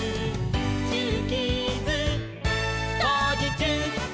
「ジューキーズ」「こうじちゅう！」